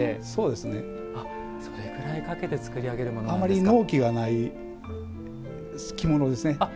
あまり、納期がない着物ですね。